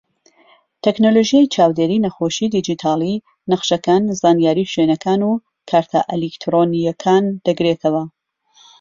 تەکنەلۆژیای چاودێری نەخۆشی دیجیتاڵی، نەخشەکان، زانیاری شوێنەکان و کارتە ئەلیکترۆنیەکان دەگرێتەوە.